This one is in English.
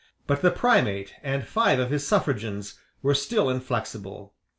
But the Primate and five of his suffragans were still inflexible.